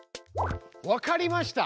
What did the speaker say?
わかりました。